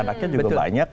anaknya juga banyak